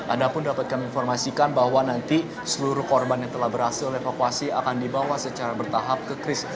ada pun dapat kami informasikan bahwa nanti seluruh korban yang telah berhasil evakuasi akan dibawa secara bertahap ke kris